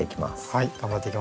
はい。